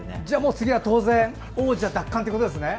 次は、当然王座奪還ということですね。